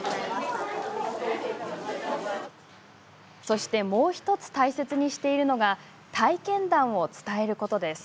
そして、もう１つ大切にしているのが体験談を伝えることです。